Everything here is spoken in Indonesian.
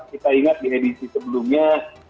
kita ingat di edisi sebelumnya